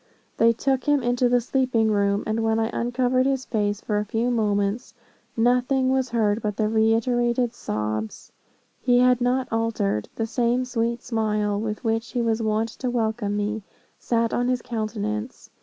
They took him into the sleeping room, and when I uncovered his face, for a few moments, nothing was heard but reiterated sobs. He had not altered the same sweet smile, with which he was wont to welcome me, sat on his countenance.